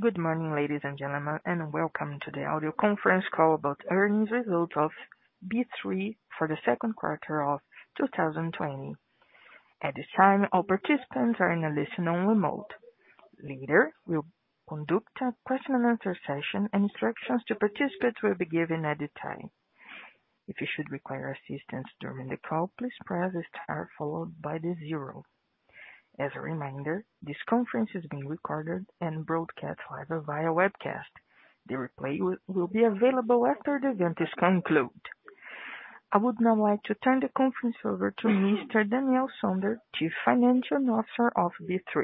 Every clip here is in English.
Good morning, ladies and gentlemen, and welcome to the audio conference call about earnings results of B3 for the second quarter of 2020. At this time, all participants are in a listen-only mode. Later, we'll conduct a question and answer session, and instructions to participate will be given at the time. If you should require assistance during the call, please press star followed by the zero. As a reminder, this conference is being recorded and broadcast live via webcast. The replay will be available after the event is concluded. I would now like to turn the conference over to Mr. Daniel Sonder, Chief Financial Officer of B3.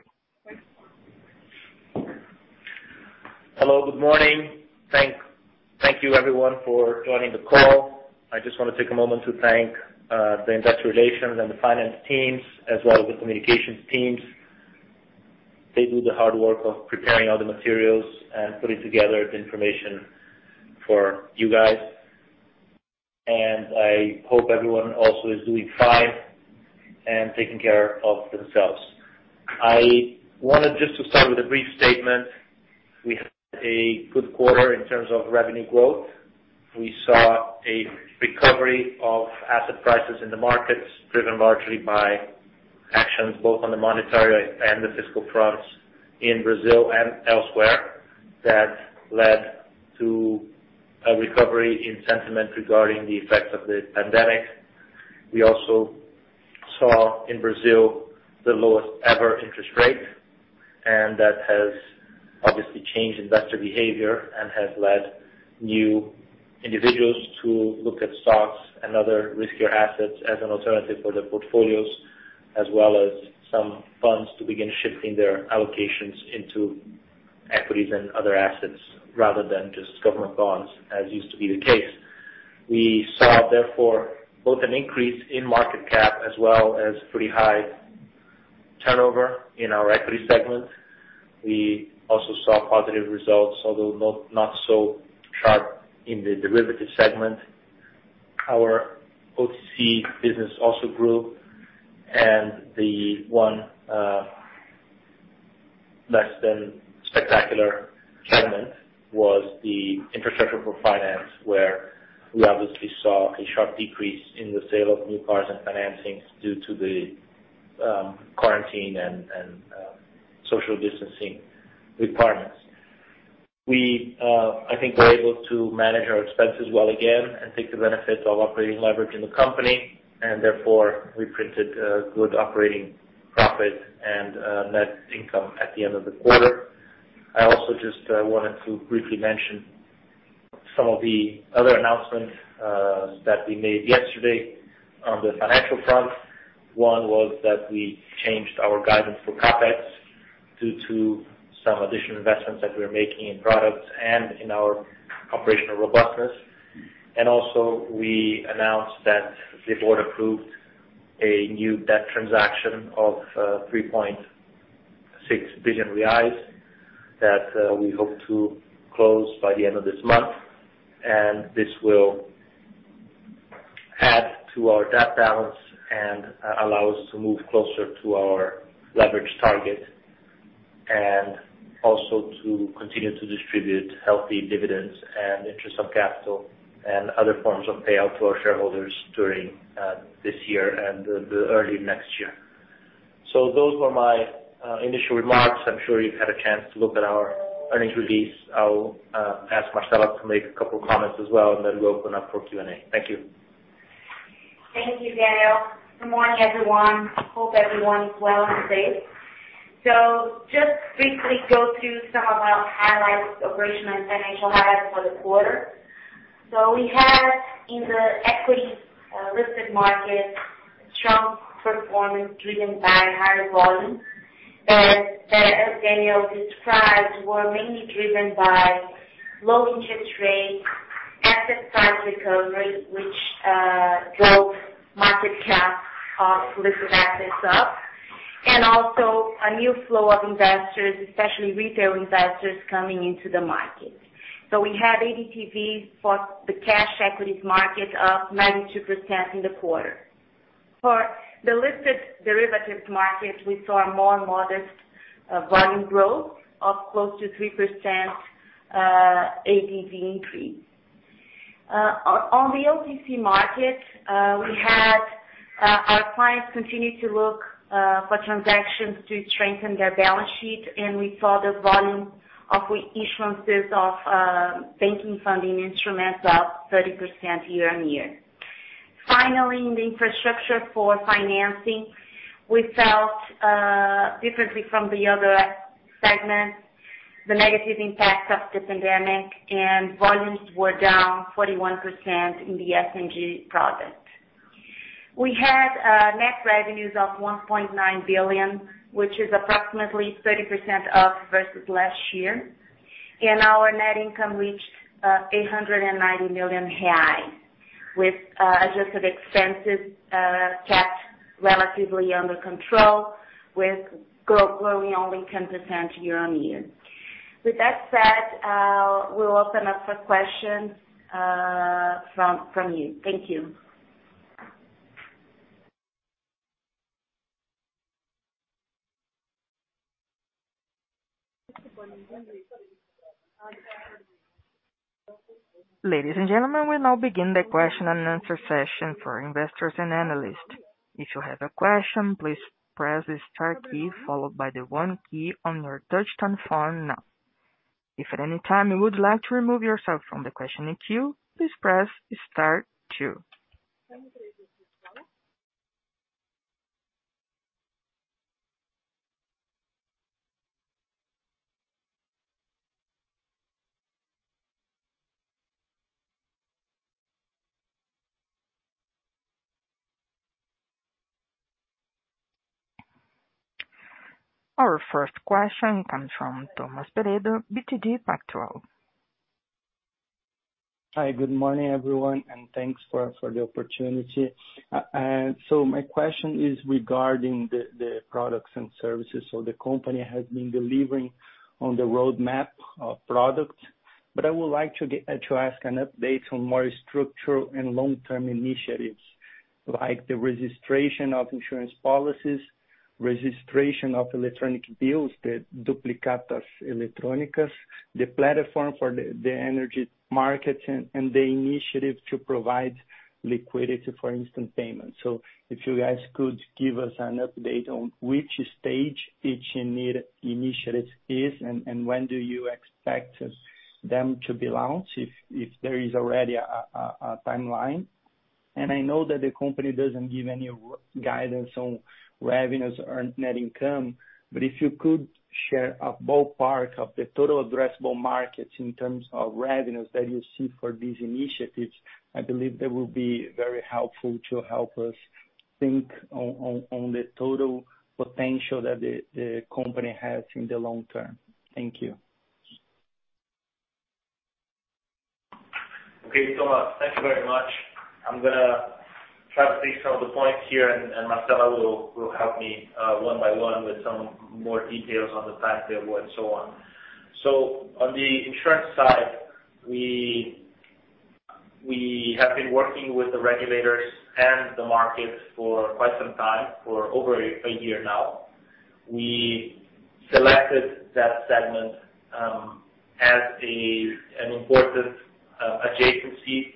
Hello, good morning. Thank you everyone for joining the call. I just want to take a moment to thank the investor relations and the finance teams, as well as the communications teams. They do the hard work of preparing all the materials and putting together the information for you guys, and I hope everyone also is doing fine and taking care of themselves. I wanted just to start with a brief statement. We had a good quarter in terms of revenue growth. We saw a recovery of asset prices in the markets, driven largely by actions both on the monetary and the fiscal fronts in Brazil and elsewhere, that led to a recovery in sentiment regarding the effects of the pandemic. We also saw in Brazil the lowest ever interest rate, and that has obviously changed investor behavior and has led new individuals to look at stocks and other riskier assets as an alternative for their portfolios, as well as some funds to begin shifting their allocations into equities and other assets, rather than just government bonds, as used to be the case. We saw, therefore, both an increase in market cap as well as pretty high turnover in our equity segment. We also saw positive results, although not so sharp in the derivatives segment. Our OTC business also grew, and the one less than spectacular segment was the infrastructure for finance, where we obviously saw a sharp decrease in the sale of new cars and financings due to the quarantine and social distancing requirements. We, I think, were able to manage our expenses well again and take the benefit of operating leverage in the company, and therefore we printed a good operating profit and net income at the end of the quarter. I also just wanted to briefly mention some of the other announcements that we made yesterday on the financial front. One was that we changed our guidance for CapEx due to some additional investments that we're making in products and in our operational robustness. Also, we announced that the board approved a new debt transaction of 3.6 billion reais that we hope to close by the end of this month. This will add to our debt balance and allow us to move closer to our leverage target, and also to continue to distribute healthy dividends and interest of capital and other forms of payout to our shareholders during this year and the early next year. Those were my initial remarks. I'm sure you've had a chance to look at our earnings release. I'll ask Marcella to make a couple comments as well, and then we'll open up for Q&A. Thank you. Thank you, Daniel. Good morning, everyone. Hope everyone's well and safe. Just briefly go through some of our operational and financial highlights for the quarter. We had in the equity listed market, strong performance driven by higher volumes that, as Daniel described, were mainly driven by low interest rates, asset price recovery, which drove market cap of listed assets up, and also a new flow of investors, especially retail investors, coming into the market. We had ADTV for the cash equities market up 92% in the quarter. For the listed derivatives market, we saw a more modest volume growth of close to 3% ADTV increase. On the OTC market, our clients continued to look for transactions to strengthen their balance sheet, and we saw the volume of reissuances of banking funding instruments up 30% year-over-year. Finally, in the infrastructure for financing, we felt differently from the other segments. The negative impact of the pandemic and volumes were down 41% in the SNG product. We had net revenues of 1.9 billion, which is approximately 30% up versus last year. Our net income reached 890 million reais, with adjusted expenses kept relatively under control, with growth growing only 10% year-on-year. With that said, we'll open up for questions from you. Thank you. Ladies and gentlemen, we now begin the question and answer session for investors and analysts. If you have a question, please press the star key followed by the one key on your touchtone phone now. If at any time you would like to remove yourself from the question queue, please press the star two. Our first question comes from Thomas Peredo, BTG Pactual. Hi. Good morning, everyone, and thanks for the opportunity. My question is regarding the products and services. The company has been delivering on the roadmap of products, but I would like to ask an update on more structural and long-term initiatives, like the registration of insurance policies, registration of electronic bills, the duplicatas eletrônicas, the platform for the energy market, and the initiative to provide liquidity for instant payments. If you guys could give us an update on which stage each initiative is and when do you expect them to be launched, if there is already a timeline. I know that the company doesn't give any guidance on revenues or net income, but if you could share a ballpark of the total addressable markets in terms of revenues that you see for these initiatives, I believe that will be very helpful to help us think on the total potential that the company has in the long term. Thank you. Okay, Thomas. Thank you very much. I'm going to try to take some of the points here, and Marcella will help me one by one with some more details on the timetable and so on. On the insurance side, we have been working with the regulators and the markets for quite some time, for over a year now. We selected that segment as an important adjacency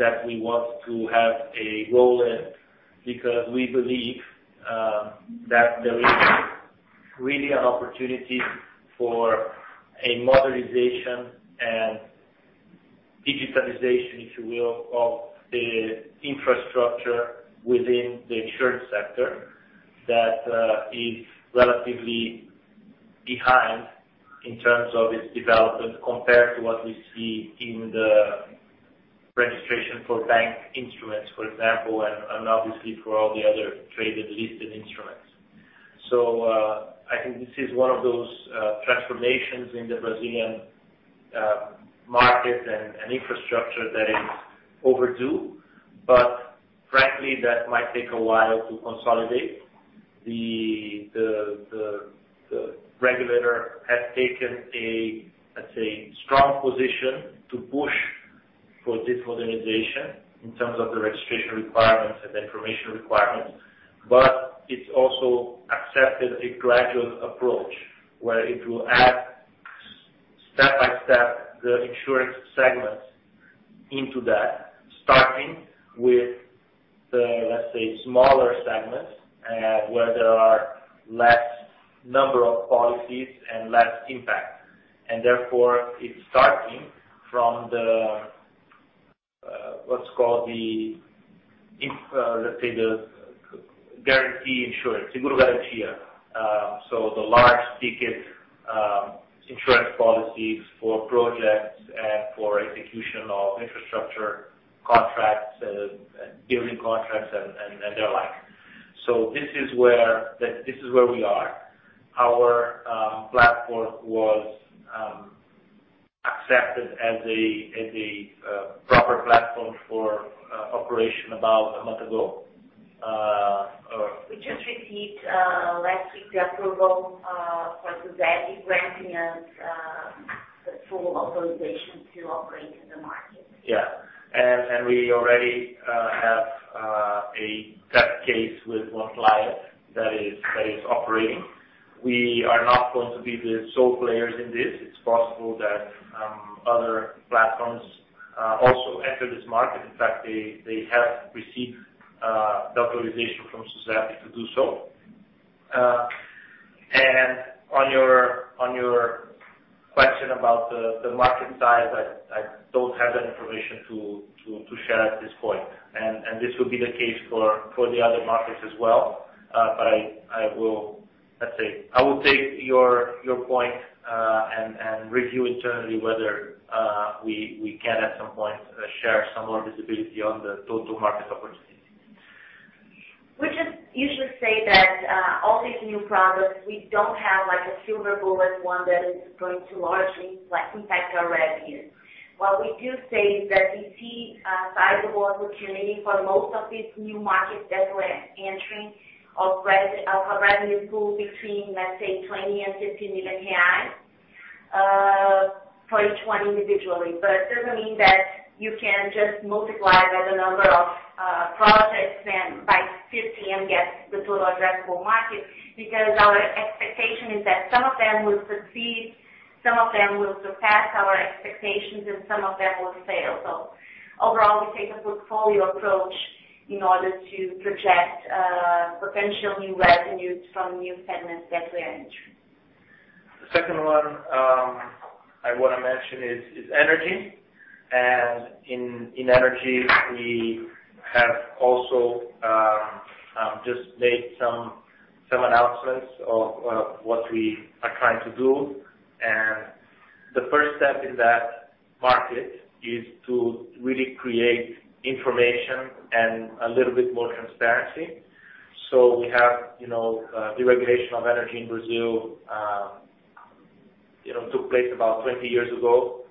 that we want to have a role in because we believe that there is really an opportunity for a modernization and digitalization, if you will, of the infrastructure within the insurance sector that is relatively behind in terms of its development compared to what we see in the registration for bank instruments, for example, and obviously for all the other traded listed instruments. I think this is one of those transformations in the Brazilian market and infrastructure that is overdue, but frankly, that might take a while to consolidate. The regulator has taken, let's say, a strong position to push for this modernization in terms of the registration requirements and information requirements. It's also accepted a gradual approach where it will add step by step the insurance segments into that, starting with the, let's say, smaller segments where there are less number of policies and less impact. Therefore, it's starting from the, let's say, the guarantee insurance. Seguro garantia. The large-ticket insurance policies for projects and for execution of infrastructure contracts and building contracts and the like. This is where we are. Our platform was accepted as a proper platform for operation about a month ago. We just received, last week, the approval for SUSEP granting us the full authorization to operate in the market. Yeah. We already have a test case with one client that is operating. We are not going to be the sole players in this. It's possible that other platforms also enter this market. In fact, they have received the authorization from SUSEP to do so. On your question about the market size, I don't have that information to share at this point. This will be the case for the other markets as well. Let's say, I will take your point and review internally whether we can, at some point, share some more visibility on the total market opportunities. You should say that all these new products, we don't have a silver bullet, one that is going to largely impact our revenues. What we do say is that we see a sizable opportunity for most of these new markets that we're entering of a revenue pool between, let's say, 20 million and 50 million reais. For each one individually. It doesn't mean that you can just multiply the number of projects by 50 and get the total addressable market, because our expectation is that some of them will succeed, some of them will surpass our expectations, and some of them will fail. Overall, we take a portfolio approach in order to project potential new revenues from new segments that we are entering. The second one I want to mention is energy. In energy, we have also just made some announcements of what we are trying to do. The first step in that market is to really create information and a little bit more transparency. We have deregulation of energy in Brazil, took place about 20 years ago.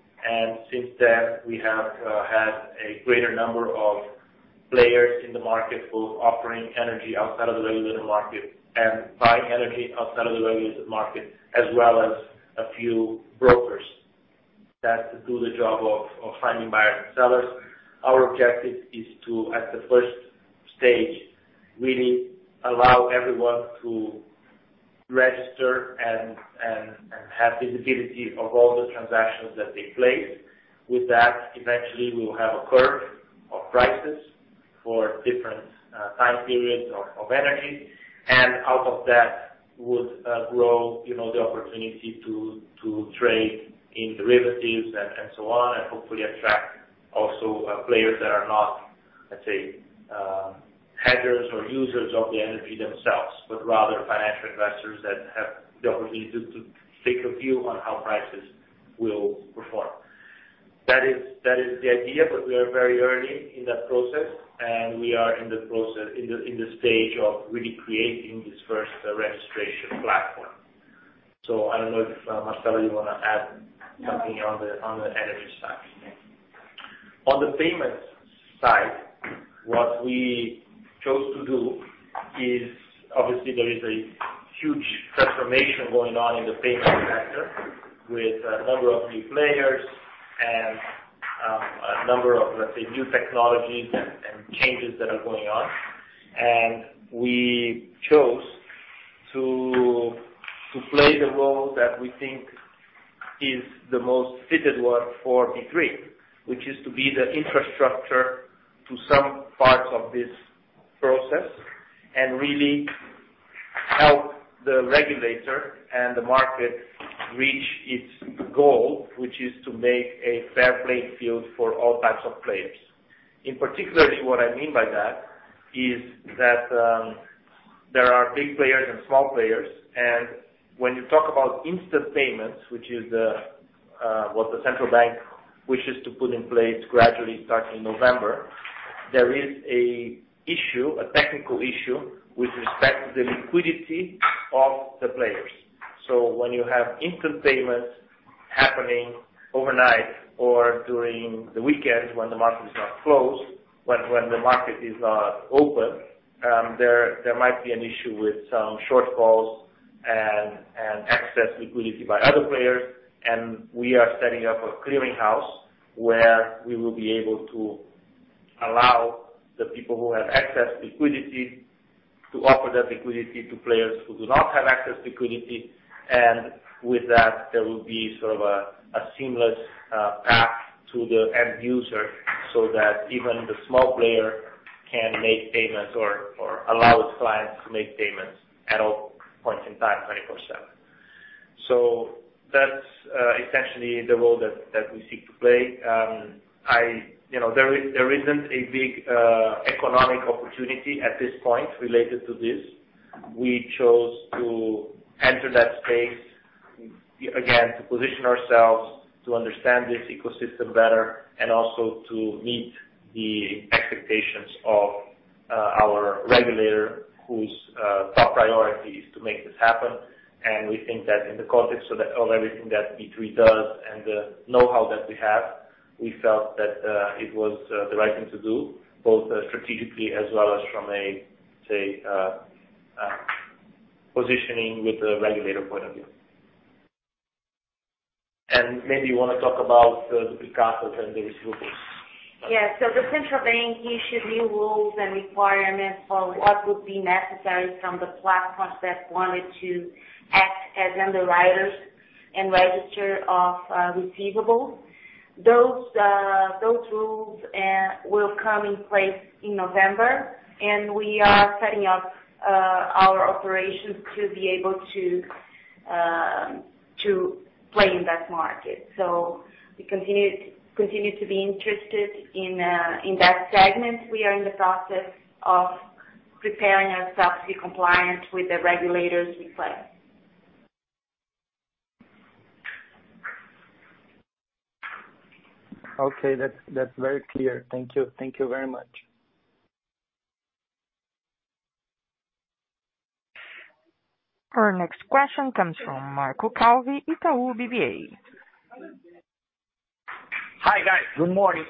Since then, we have had a greater number of players in the market, both offering energy outside of the regulated market and buying energy outside of the regulated market, as well as a few brokers that do the job of finding buyers and sellers. Our objective is to, at the first stage, really allow everyone to register and have visibility of all the transactions that they place. With that, eventually, we'll have a curve of prices for different time periods of energy. Out of that would grow the opportunity to trade in derivatives and so on, and hopefully attract also players that are not, let's say, hedgers or users of the energy themselves, but rather financial investors that have the opportunity to take a view on how prices will perform. That is the idea, but we are very early in that process, and we are in the stage of really creating this first registration platform. I don't know if, Marcella, you want to add something on the energy side. No. On the payments side, what we chose to do is, obviously there is a huge transformation going on in the payment sector with a number of big players and a number of, let's say, new technologies and changes that are going on. We chose to play the role that we think is the most fitted one for B3, which is to be the infrastructure to some parts of this process and really help the regulator and the market reach its goal, which is to make a fair playing field for all types of players. In particular, what I mean by that is that there are big players and small players, and when you talk about instant payments, which is what the central bank wishes to put in place gradually starting November, there is a technical issue with respect to the liquidity of the players. When you have instant payments happening overnight or during the weekend when the market is not open, there might be an issue with some shortfalls and excess liquidity by other players. We are setting up a clearinghouse where we will be able to allow the people who have excess liquidity to offer that liquidity to players who do not have excess liquidity. With that, there will be sort of a seamless path to the end user so that even the small player can make payments or allow its clients to make payments at all points in time, 24/7. That's essentially the role that we seek to play. There isn't a big economic opportunity at this point related to this. We chose to enter that space, again, to position ourselves to understand this ecosystem better, and also to meet the expectations of our regulator, whose top priority is to make this happen. We think that in the context of everything that B3 does and the know-how that we have, we felt that it was the right thing to do, both strategically as well as from a, say, positioning with the regulator point of view. Maybe you want to talk about the precatórios and the issues. Yeah. The central bank issued new rules and requirements for what would be necessary from the platforms that wanted to act as underwriters and register of receivables. Those rules will come in place in November, and we are setting up our operations to be able to play in that market. We continue to be interested in that segment. We are in the process of preparing ourselves to be compliant with the regulators' requests. Okay. That's very clear. Thank you. Thank you very much. Our next question comes from Marco Calvi, Itaú BBA. Hi, guys. Good morning.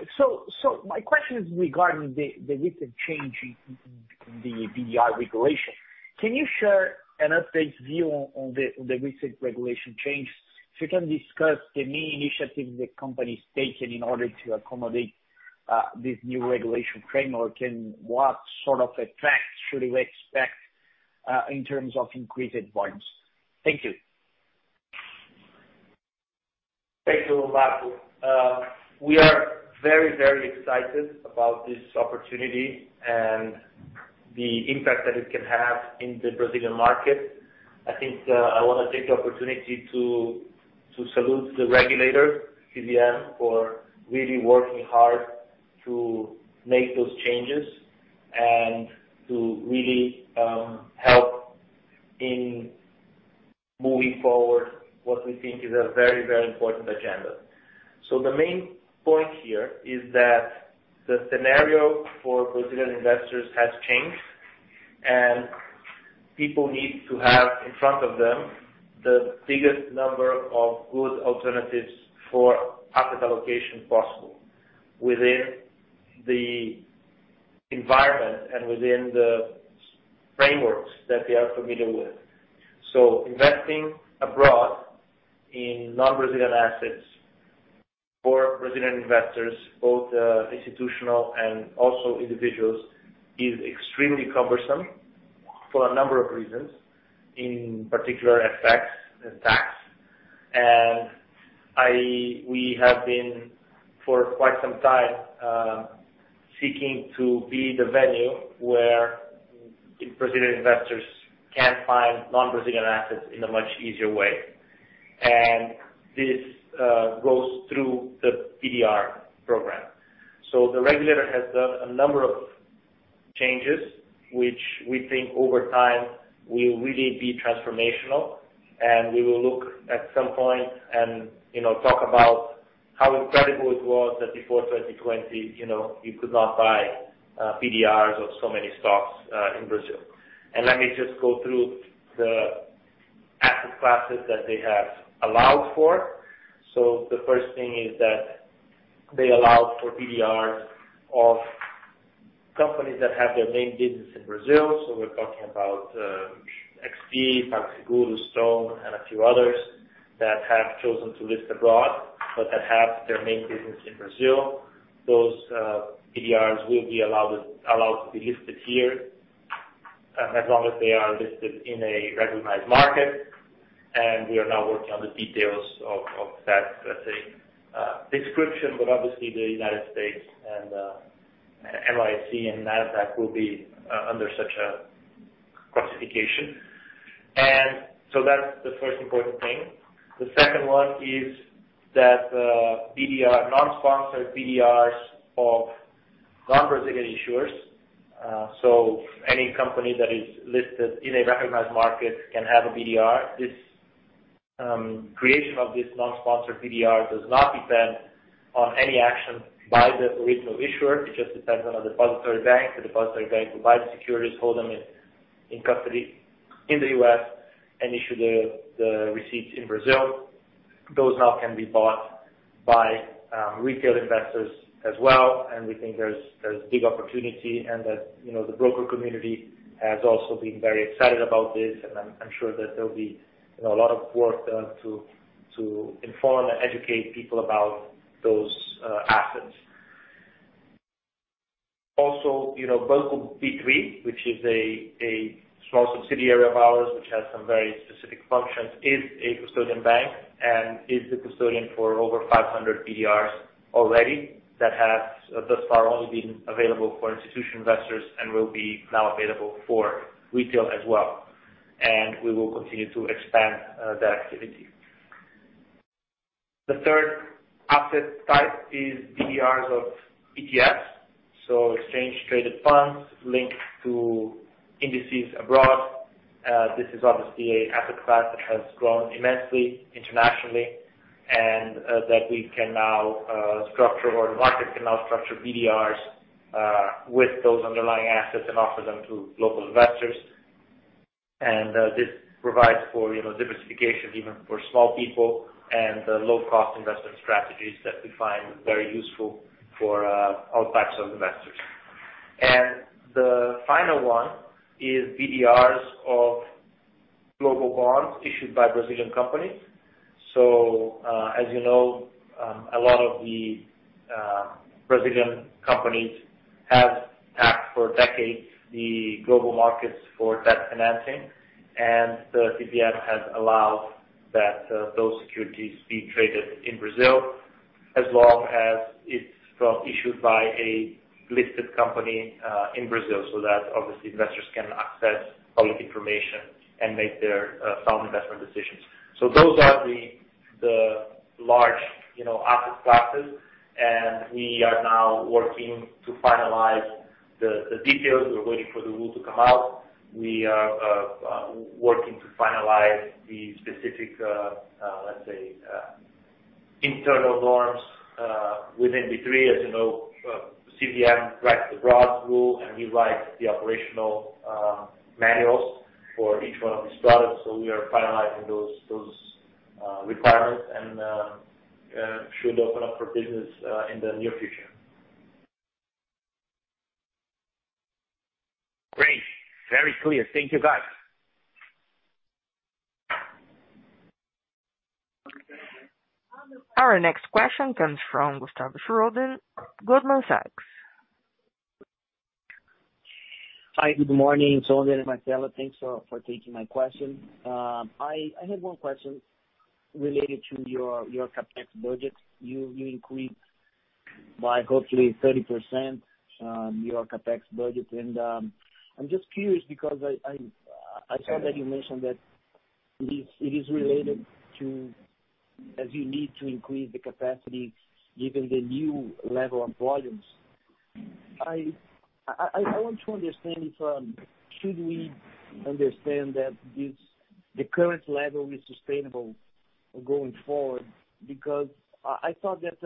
My question is regarding the recent change in the BDR regulation. Can you share an updated view on the recent regulation changes? If you can discuss the main initiatives the company has taken in order to accommodate this new regulation framework, and what sort of effect should we expect in terms of increased volumes? Thank you. Thank you, Marco. We are very excited about this opportunity and the impact that it can have in the Brazilian market. I think I want to take the opportunity to salute the regulator, CVM, for really working hard to make those changes and to really help in moving forward what we think is a very important agenda. The main point here is that the scenario for Brazilian investors has changed, and people need to have in front of them the biggest number of good alternatives for asset allocation possible within the environment and within the frameworks that they are familiar with. Investing abroad in non-Brazilian assets for Brazilian investors, both institutional and also individuals, is extremely cumbersome for a number of reasons, in particular effects and tax. We have been, for quite some time, seeking to be the venue where Brazilian investors can find non-Brazilian assets in a much easier way. This goes through the BDR program. The regulator has done a number of changes which we think over time will really be transformational, and we will look at some point and talk about how incredible it was that before 2020, you could not buy BDRs of so many stocks in Brazil. Let me just go through the asset classes that they have allowed for. The first thing is that they allowed for BDRs of companies that have their main business in Brazil. We're talking about XP, PagSeguro, Stone, and a few others that have chosen to list abroad but that have their main business in Brazil. Those BDRs will be allowed to be listed here, as long as they are listed in a recognized market. We are now working on the details of that, let's say, description. Obviously the United States and NYSE and NASDAQ will be under such a classification. That's the first important thing. The second one is that non-sponsored BDRs of non-Brazilian issuers. Any company that is listed in a recognized market can have a BDR. This creation of this non-sponsored BDR does not depend on any action by the original issuer. It just depends on a depository bank. The depository bank will buy the securities, hold them in custody in the U.S., and issue the receipts in Brazil. Those now can be bought by retail investors as well. We think there's big opportunity and that the broker community has also been very excited about this. I'm sure that there'll be a lot of work done to inform and educate people about those assets. Banco B3, which is a small subsidiary of ours which has some very specific functions, is a custodian bank and is the custodian for over 500 BDRs already that has thus far only been available for institutional investors and will be now available for retail as well. We will continue to expand that activity. The third asset type is BDRs of ETFs, so exchange traded funds linked to indices abroad. This is obviously an asset class that has grown immensely internationally. That we can now structure, or the market can now structure BDRs with those underlying assets and offer them to global investors. This provides for diversification even for small people and low-cost investment strategies that we find very useful for all types of investors. The final one is BDRs of global bonds issued by Brazilian companies. As you know, a lot of the Brazilian companies have tapped for decades the global markets for debt financing. The CVM has allowed that those securities be traded in Brazil as long as it's issued by a listed company in Brazil. That obviously investors can access public information and make their sound investment decisions. Those are the large asset classes. We are now working to finalize the details. We're waiting for the rule to come out. We are working to finalize the specific, let's say, internal norms within B3. As you know, CVM writes the broad rule, and we write the operational manuals for each one of these products. We are finalizing those requirements and should open up for business in the near future. Great. Very clear. Thank you, guys. Our next question comes from Gustavo Schroden, Goldman Sachs. Hi, good morning. Marcelo, thanks for taking my question. I had one question related to your CapEx budget. You increased by hopefully 30% your CapEx budget, and I'm just curious because I saw that you mentioned that it is related to as you need to increase the capacity given the new level of volumes. I want to understand if, should we understand that the current level is sustainable going forward? Because I thought that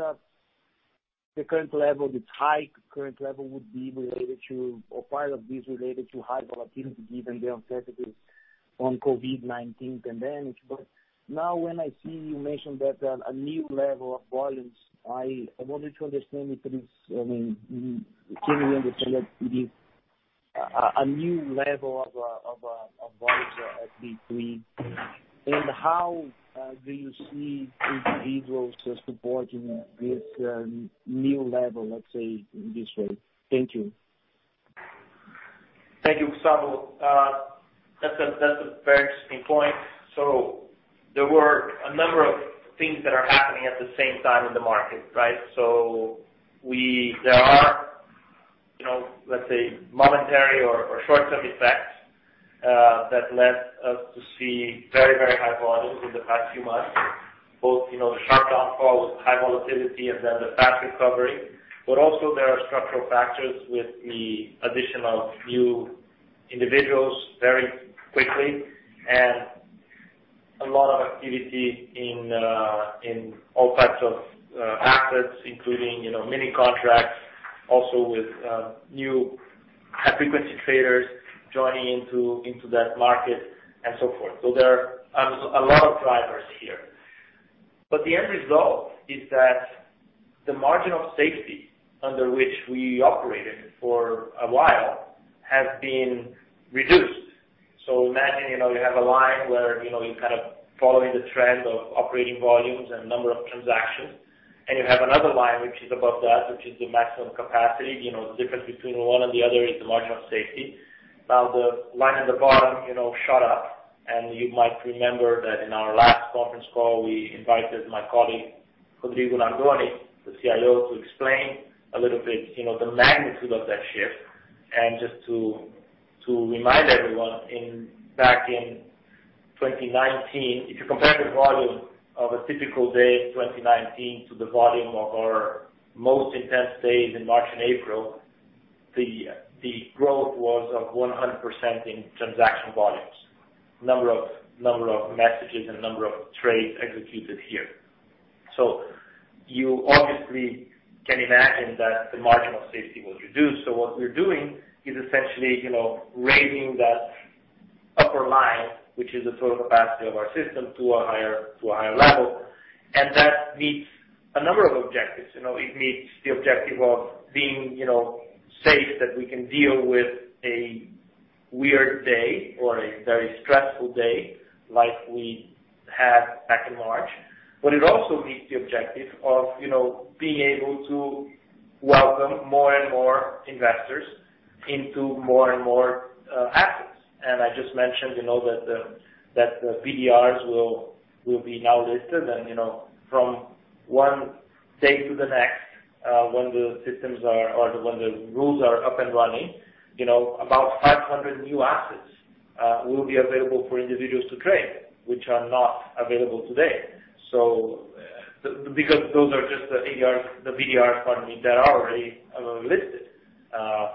the current level, this high current level would be related to, or part of this related to high volatility given the uncertainties on COVID-19 pandemic. Now when I see you mentioned that a new level of volumes, I wanted to understand if, I mean, can we understand that it is a new level of volumes at B3? How do you see individuals supporting this new level, let's say, in this way? Thank you. Thank you, Gustavo. That's a very interesting point. There were a number of things that are happening at the same time in the market, right? There are, let's say, momentary or short-term effects that led us to see very, very high volumes in the past few months, both the sharp downfall with high volatility and then the fast recovery. Also there are structural factors with the addition of new individuals very quickly and a lot of activity in all types of assets, including mini contracts also with new high-frequency traders joining into that market and so forth. There are a lot of drivers here. The end result is that the margin of safety under which we operated for a while has been reduced. Imagine, you have a line where you're kind of following the trend of operating volumes and number of transactions, and you have another line which is above that, which is the maximum capacity. The difference between one and the other is the margin of safety. The line at the bottom shot up, and you might remember that in our last conference call, we invited my colleague, Rodrigo Nardoni, the CIO, to explain a little bit the magnitude of that shift. Just to remind everyone, back in 2019, if you compare the volume of a typical day in 2019 to the volume of our most intense days in March and April, the growth was of 100% in transaction volumes, number of messages, and number of trades executed here. You obviously can imagine that the margin of safety will reduce. What we're doing is essentially raising that upper line, which is the total capacity of our system, to a higher level. That meets a number of objectives. It meets the objective of being safe that we can deal with a weird day or a very stressful day like we had back in March. It also meets the objective of being able to welcome more and more investors into more and more assets. I just mentioned that the BDRs will be now listed and from one day to the next when the systems are or when the rules are up and running, about 500 new assets will be available for individuals to trade, which are not available today. Because those are just the BDRs that are already listed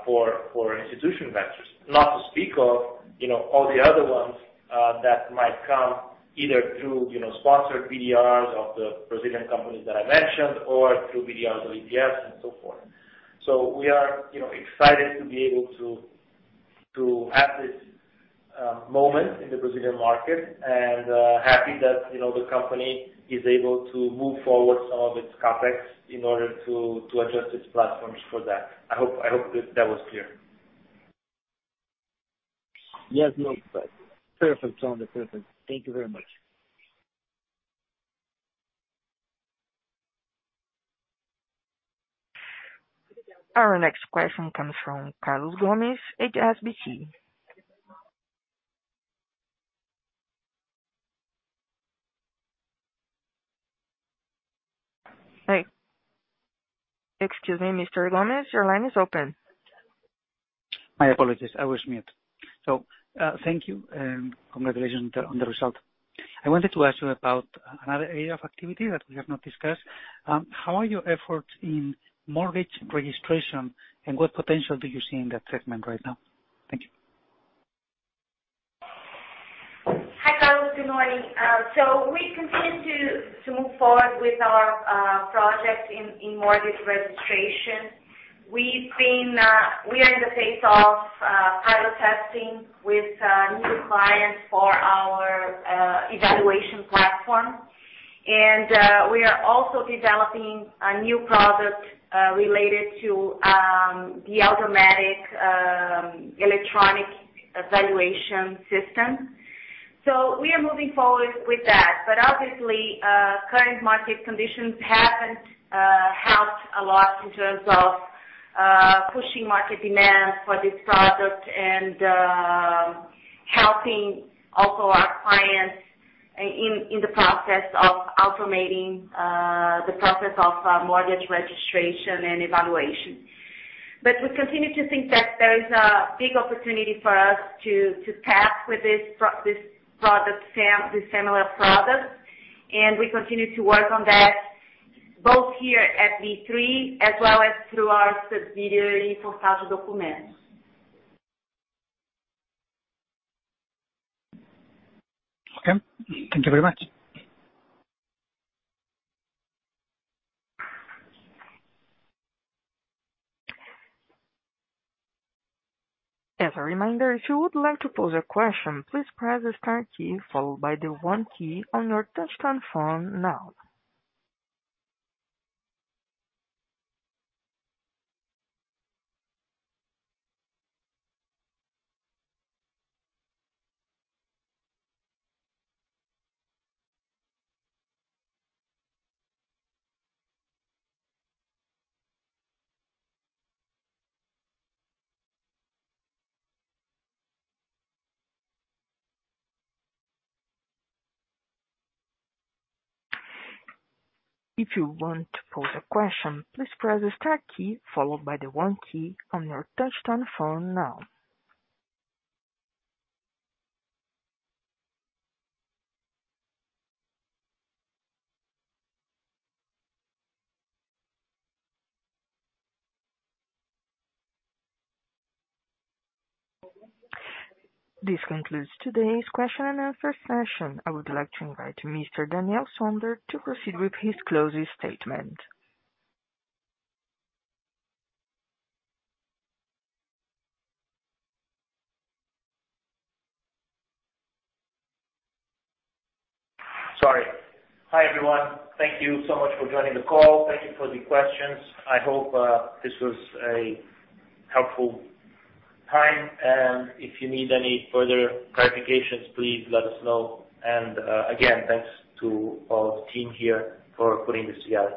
for institutional investors. Not to speak of all the other ones that might come either through sponsored BDRs of the Brazilian companies that I mentioned or through BDRs of ETFs and so forth. We are excited to be able to have this moment in the Brazilian market and happy that the company is able to move forward some of its CapEx in order to adjust its platforms for that. I hope that was clear. Yes. No, perfect. Sounded perfect. Thank you very much. Our next question comes from Carlos Gomez-Lopez, HSBC. Excuse me, Mr. Gomez, your line is open. My apologies. I was mute. Thank you, and congratulations on the result. I wanted to ask you about another area of activity that we have not discussed. How are your efforts in mortgage registration, and what potential do you see in that segment right now? Thank you. Hi, Carlos. Good morning. We continue to move forward with our project in mortgage registration. We are in the phase of pilot testing with new clients for our evaluation platform. We are also developing a new product related to the automatic electronic evaluation system. We are moving forward with that. Obviously, current market conditions haven't helped a lot in terms of pushing market demand for this product and helping also our clients in the process of automating the process of mortgage registration and evaluation. We continue to think that there is a big opportunity for us to tap with this similar product. We continue to work on that, both here at B3 as well as through our subsidiary, Portal de Documentos. Okay. Thank you very much. As a reminder, if you would like to pose a question, please press the star key followed by the one key on your touch-tone phone now. If you would like to pose a question, please press the star key followed by the one key on your touch-tone phone now. This concludes today's question-and-answer session. I would like to invite Mr. Daniel Sonder to proceed with his closing statement. Sorry. Hi, everyone. Thank you so much for joining the call. Thank you for the questions. I hope this was a helpful time. If you need any further clarifications, please let us know. Again, thanks to all of the team here for putting this together.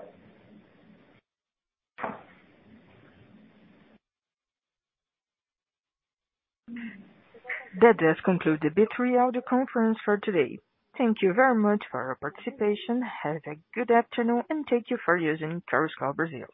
That does conclude the B3 audio conference for today. Thank you very much for your participation. Have a good afternoon, and thank you for using Conference Call Brazil.